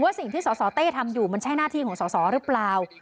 สิ่งที่สสเต้ทำอยู่มันใช่หน้าที่ของสอสอหรือเปล่า